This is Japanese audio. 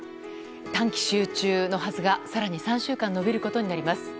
短期集中のはずが更に３週間延びることになります。